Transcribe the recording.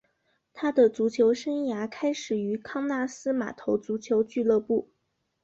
他的足球生涯开始于康纳斯码头足球俱乐部。